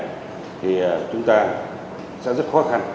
thì chúng ta sẽ rất khó khăn